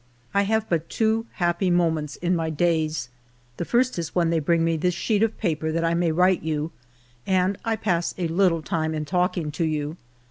" I have but two happy moments in my days. The first is when they bring me this sheet of paper that I may write you, and I pass a little time in talking to you.